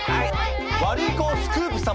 ワルイコスクープ様。